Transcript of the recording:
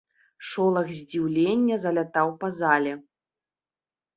Шолах здзіўлення залятаў па зале.